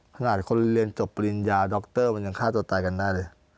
ขนาดคนเรียนจบปริญญาดรมันยังฆ่าตัวตายกันได้เลย